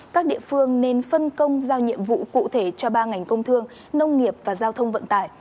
các địa phương nên phân công giao nhiệm vụ cụ thể cho ba ngành công thương nông nghiệp và giao thông vận tải